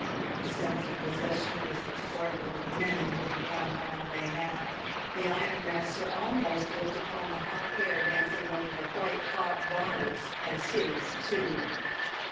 The sense of possession is the foible of many who have won all they have; the ironmaster almost looked upon the hot air dancing over the white hot bars as his too.